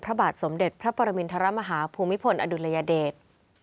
พระบาทสมเด็จพระปรมินทรมาฮาภูมิพลอดุลยเดช